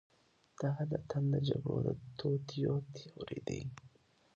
دا د نن د جګړو د توطیو تیوري ده.